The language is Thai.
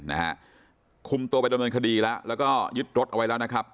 นะฮะคุมตัวไปดำเนินคดีแล้วแล้วก็ยึดรถเอาไว้แล้วนะครับ